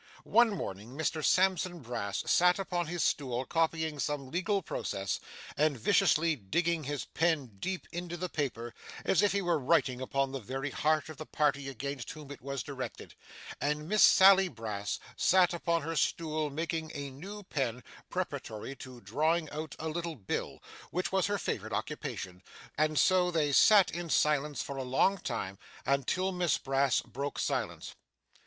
One morning Mr Sampson Brass sat upon his stool copying some legal process, and viciously digging his pen deep into the paper, as if he were writing upon the very heart of the party against whom it was directed; and Miss Sally Brass sat upon her stool making a new pen preparatory to drawing out a little bill, which was her favourite occupation; and so they sat in silence for a long time, until Miss Brass broke silence.